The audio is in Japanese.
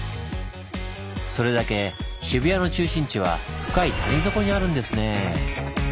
それだけ渋谷の中心地は深い谷底にあるんですねぇ。